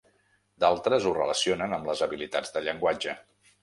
D'altres ho relacionen amb les habilitats de llenguatge.